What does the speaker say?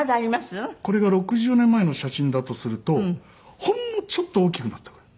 これが６０年前の写真だとするとほんのちょっと大きくなったぐらい。